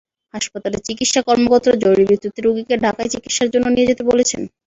হাসপাতালের চিকিৎসা কর্মকর্তা জরুরি ভিত্তিতে রোগীকে ঢাকায় চিকিৎসার জন্য নিয়ে যেতে বলেছেন।